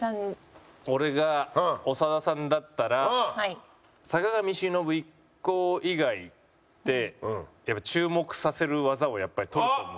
俺が長田さんだったら「坂上忍・ＩＫＫＯ以外」で注目させる技をやっぱり取ると思うんだよね。